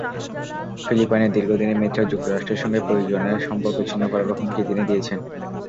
ফিলিপাইনের দীর্ঘদিনের মিত্র যুক্তরাষ্ট্রের সঙ্গে প্রয়োজনে সম্পর্ক ছিন্ন করারও হুমকি তিনি দিয়েছেন।